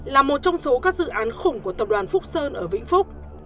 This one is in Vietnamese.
là một trong số các dự án khủng của tập đoàn phúc sơn ở vĩnh phúc